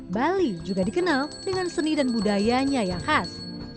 bali juga dikenal dengan seni dan budayanya yang khas